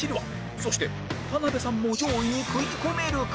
そして田辺さんも上位に食い込めるか？